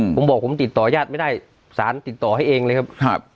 ผมบอกผมติดต่อยาดไม่ได้สารติดต่อให้เองเลยครับ